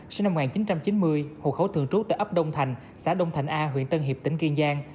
sinh năm một nghìn chín trăm chín mươi hộ khẩu thường trú tại ấp đông thành xã đông thành a huyện tân hiệp tỉnh kiên giang